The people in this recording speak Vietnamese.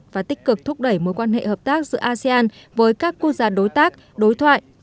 và tích cực thúc đẩy mối quan hệ hợp tác giữa asean với các quốc gia đối tác đối thoại